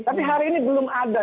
tapi hari ini belum ada